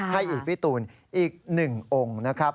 ให้อีกพี่ตูนอีก๑องค์นะครับ